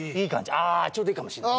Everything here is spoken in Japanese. ああちょうどいいかもしれない。